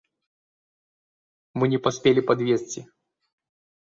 Мы не паспелі падвезці.